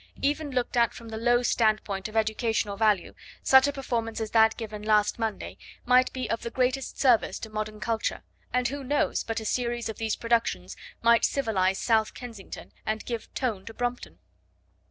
Even looked at from the low standpoint of educational value, such a performance as that given last Monday might be of the greatest service to modern culture; and who knows but a series of these productions might civilise South Kensington and give tone to Brompton?